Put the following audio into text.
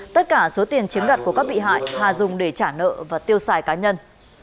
tất cả số tiền chiếm đoạt của các bị hại hà dùng để trả nợ và tiêu xài cá nhân